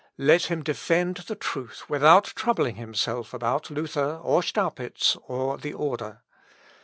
Let him defend the truth without troubling himself about Luther, or Staupitz, or the order.